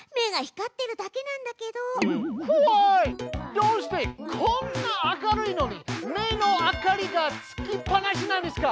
どうしてこんな明るいのに目の明かりがつきっぱなしなんですか。